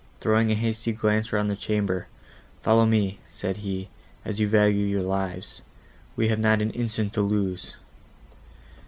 Throwing a hasty glance round the chamber, "Follow me," said he, "as you value your lives; we have not an instant to lose!"